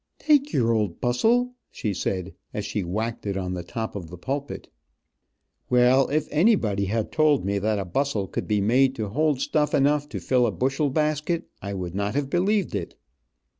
"Take your old bustle," she said, as she whacked it on the top of the pulpit. Well, if anybody had told me that a bustle could be made to hold stuff enough to fill a bushel basket, I would not have believed it.